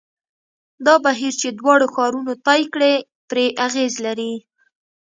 دا بهیر چې دواړو ښارونو طی کړې پرې اغېز لري.